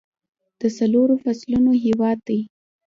د څلورو فصلونو هیواد دی.